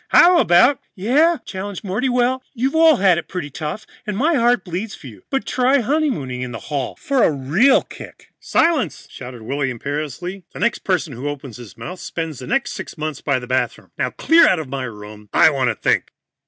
How about " "Yeah?" challenged Morty. "Sure, you've all had it pretty tough, and my heart bleeds for you. But try honeymooning in the hall for a real kick." "Silence!" shouted Willy imperiously. "The next person who opens his mouth spends the next sixth months by the bathroom. Now clear out of my room. I want to think."